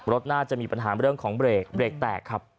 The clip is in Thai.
รถน่าจะมีปัญหาเรื่องของเบรกเบรกแตกครับ